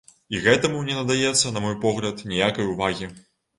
І гэтаму не надаецца, на мой погляд, ніякай увагі!